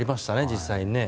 実際に。